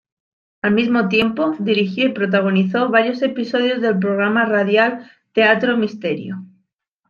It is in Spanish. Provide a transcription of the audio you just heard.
Al mismo tiempo, dirigió y protagonizó varios episodios del programa radial "Teatro Misterio".